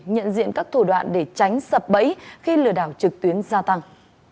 nhận diện các thủ đoạn để tránh sập bẫy khi lừa đảo trực tuyến gia tăng